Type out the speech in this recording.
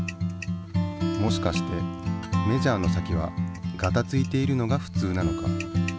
もしかしてメジャーの先はガタついているのがふつうなのか？